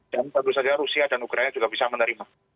dan bagus saja rusia dan ukraina juga bisa menerima